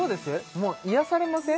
もう癒やされません？